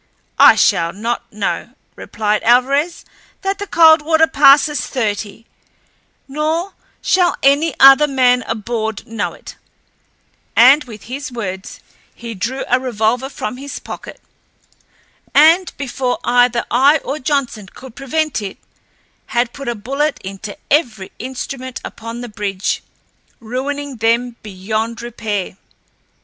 "I shall not know," replied Alvarez, "that the Coldwater passes thirty; nor shall any other man aboard know it," and, with his words, he drew a revolver from his pocket, and before either I or Johnson could prevent it had put a bullet into every instrument upon the bridge, ruining them beyond repair.